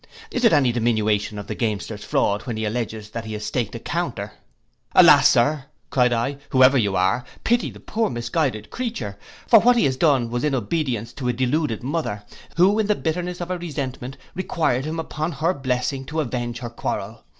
Is it any diminution of the gamester's fraud when he alledges that he has staked a counter?' 'Alas, Sir,' cried I, 'whoever you are, pity the poor misguided creature; for what he has done was in obedience to a deluded mother, who in the bitterness of her resentment required him upon her blessing to avenge her quarrel.